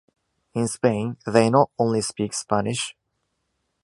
In Spain they not only speak Spanish.